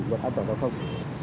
một an toàn giao thông